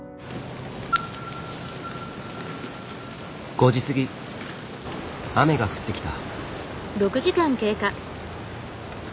５時過ぎ雨が降ってきた。